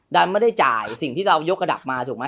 ดันไม่ได้จ่ายสิ่งที่เรายกระดับมาถูกไหม